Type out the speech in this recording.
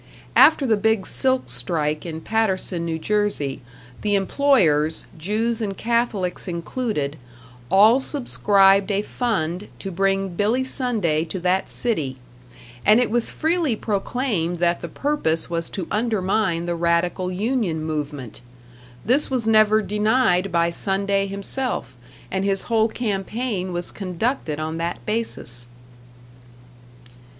After the big silk strike in Paterson, N.J., the employers, Jews and Catholics included, all subscribed a fund to bring Billy Sunday to that city; and it was freely proclaimed that the purpose was to undermine the radical union movement. This was never denied by Sunday himself, and his whole campaign was conducted on that basis.